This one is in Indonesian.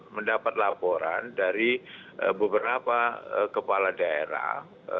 mendapat laporan dari beberapa kepala daerah